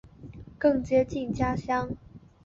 更接近家乡